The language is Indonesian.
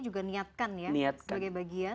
juga niatkan ya sebagai bagian